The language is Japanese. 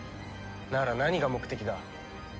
なら何が目的だ？